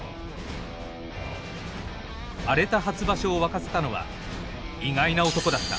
荒れた初場所を沸かせたのは意外な男だった。